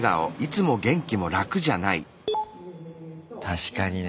確かにね。